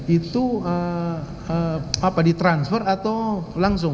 itu ee ee apa di transfer atau langsung